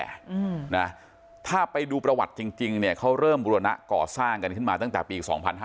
เป็นวัดเก่าแก่นะถ้าไปดูประวัติจริงเนี่ยเขาเริ่มบริวณะก่อสร้างกันขึ้นมาตั้งแต่ปี๒๕๐๐